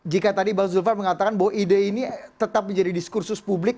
jika tadi bang zulfa mengatakan bahwa ide ini tetap menjadi diskursus publik